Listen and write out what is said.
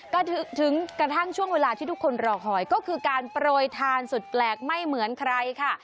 ก็ถึงกระทั่งช่วงเวลาที่ทุกคนรอคอยก็คือการโปรยทานสุดแปลกไม่เหมือนใครค่ะ